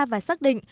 và xác định khói đen